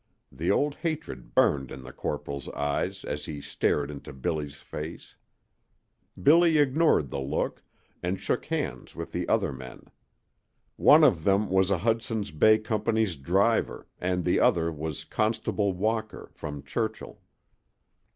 The old hatred burned in the corporal's eyes as he stared into Billy's face. Billy ignored the look, and shook hands with the other men. One of them was a Hudson's Bay Company's driver, and the other was Constable Walker, from Churchill.